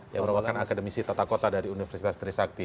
yang merupakan akademisi tata kota dari universitas trisakti